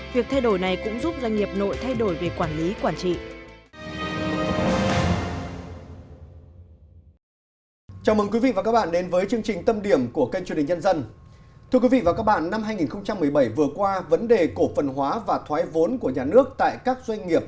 việc thay đổi này cũng giúp doanh nghiệp nội thay đổi về quản lý quản trị